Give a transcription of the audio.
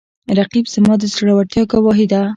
رقیب زما د زړورتیا ګواهي ده